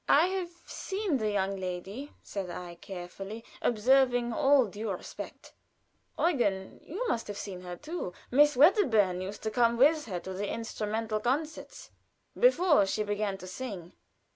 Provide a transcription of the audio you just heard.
"I have seen the young lady," said I, carefully observing all due respect. "Eugen, you must have seen her too. Miss Wedderburn used to come with her to the Instrumental Concerts before she began to sing."